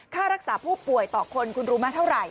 ค่ารักษาผู้ป่วยต่อคนคุณรู้ไหมเท่าไหร่